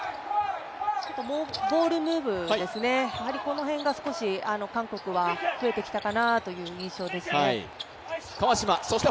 ボールムーブですね、この辺が少し韓国が増えてきたかなという印象ですね。